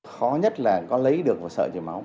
khó nhất là có lấy được và sợ chữa máu